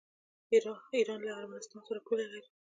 ایران له ارمنستان سره پوله لري.